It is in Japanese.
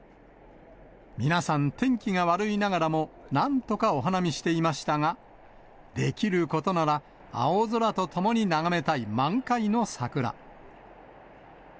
皆さん、天気が悪いながらも、なんとかお花見していましたが、できることなら青空とともに眺めたい満開の桜。